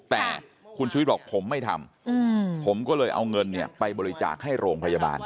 แต่คุณชุวิตบอกผมไม่ทำผมก็เลยเอาเงินไปบริจาคให้โรงพยาบาล